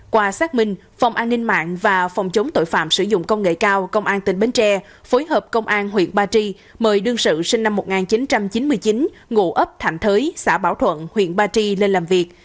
qua xác minh phòng an ninh mạng và phòng chống tội phạm sử dụng công nghệ cao công an tỉnh bến tre phối hợp công an huyện ba tri mời đương sự sinh năm một nghìn chín trăm chín mươi chín ngụ ấp thạnh thới xã bảo thuận huyện ba tri lên làm việc